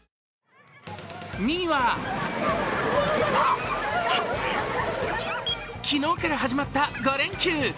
２位は、昨日から始まった５連休。